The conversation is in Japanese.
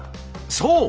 そう！